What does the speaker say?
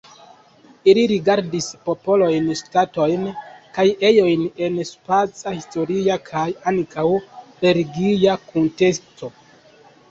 Ili rigardis popolojn, ŝtatojn kaj ejojn el spaca, historia kaj ankaŭ religia kunteksto.